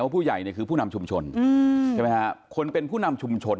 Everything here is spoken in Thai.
ผู้ใหญ่เนี่ยคือผู้นำชุมชนใช่ไหมฮะคนเป็นผู้นำชุมชน